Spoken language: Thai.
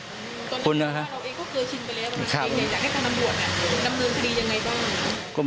ตอนนี้คุณว่าเราเองก็เกือบชินไปแล้วนะครับ